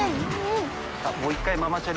淵▲蕁もう１回ママチャリ？